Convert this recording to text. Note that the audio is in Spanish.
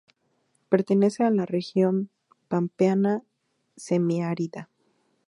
Pertenece a la región pampeana semiárida.